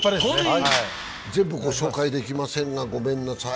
全部、ご紹介できませんがごめんなさい。